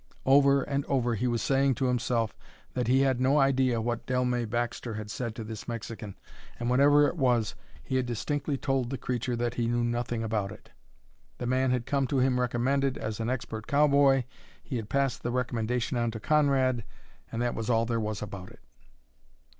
Over and over he was saying to himself that he had no idea what Dellmey Baxter had said to this Mexican, and, whatever it was, he had distinctly told the creature that he knew nothing about it. The man had come to him recommended as an expert cowboy, he had passed the recommendation on to Conrad, and that was all there was about it.